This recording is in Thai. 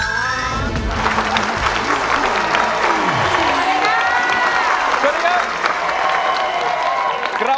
สวัสดีครับ